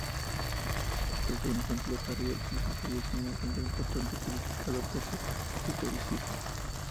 Este fue un ejemplo tardío, quizás el último ejemplo importante, criticado por su historicismo.